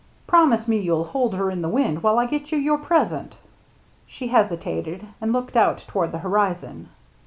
Promise me you'll hold her in the wind while I get you your present." She hesitated, and looked out toward the horizon.